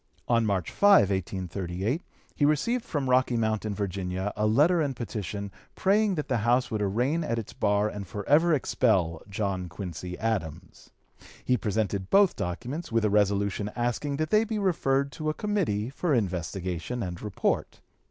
On March 5, 1838, he received from Rocky Mount in Virginia a letter and petition praying that the House would arraign at its bar and forever expel John Quincy Adams. He presented both documents, with a resolution asking that they be referred to a committee for investigation and report.